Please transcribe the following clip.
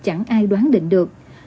ai đoán định được